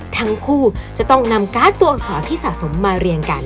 ทั้งคู่จะต้องนำการ์ดตัวอักษรที่สะสมมาเรียงกัน